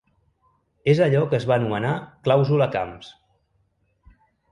És allò que es va anomenar ‘clàusula Camps’ .